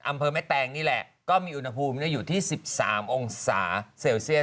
อำเภอแม่แตงนี่แหละก็มีอุณหภูมิอยู่ที่๑๓องศาเซลเซียส